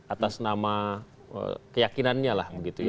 atas nama keyakinannya